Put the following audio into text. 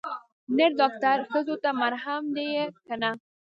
نر ډاکتر ښځو ته محرم ديه که نه.